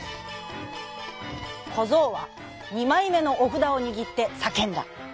こぞうはにまいめのおふだをにぎってさけんだ。